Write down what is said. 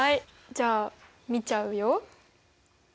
じゃあ見ちゃうよ。